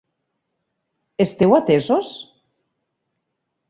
Esteu atesos?